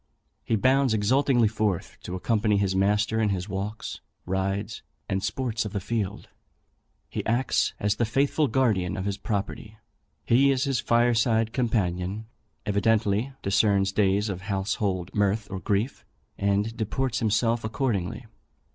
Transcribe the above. He bounds exultingly forth to accompany his master in his walks, rides, and sports of the field. He acts as the faithful guardian of his property. He is his fire side companion, evidently discerns days of household mirth or grief, and deports himself accordingly.